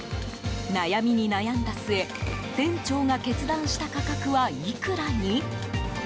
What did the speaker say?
悩みに悩んだ末店長が決断した価格はいくらに？